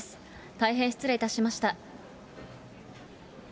大変失礼いたしました。